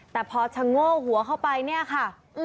แต่พอชะโง่หัวเข้าไปเนี่ยค่ะ